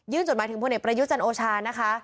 ยืนจดหมายถึงประยุชนโอชานะคะ